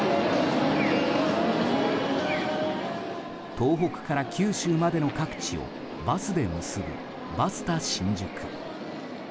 東北から九州までの各地をバスで結ぶバスタ新宿。